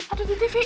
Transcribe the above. ada di tv